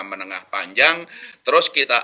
menengah panjang terus kita